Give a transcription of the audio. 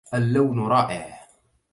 اللّون رائع.